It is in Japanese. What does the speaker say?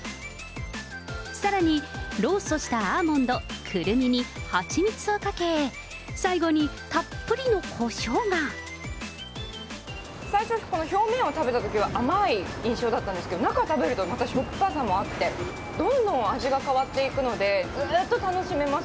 さらに、ローストしたアーモンド、クルミに蜂蜜をかけ、最初、この表面を食べたときは甘い印象だったんですけど、中を食べるとまたしょっぱさもあって、どんどん味が変わっていくので、ずっと楽しめます。